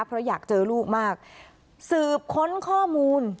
เพราะอยากเจอลูกมากสืบค้นข้อมูล